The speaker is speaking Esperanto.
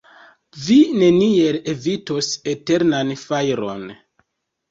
Vi neniel evitos eternan fajron!